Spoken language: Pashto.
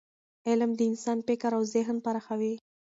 علم د انسان فکر او ذهن پراخوي.